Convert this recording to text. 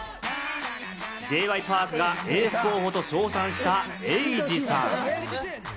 Ｊ．Ｙ．Ｐａｒｋがエース候補と称賛したエイジさん。